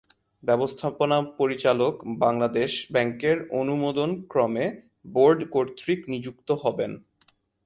ব্যবস্থাপনা পরিচালক বাংলাদেশ ব্যাংকের অনুমোদন ক্রমে বোর্ড কর্তৃক নিযুক্ত হবেন।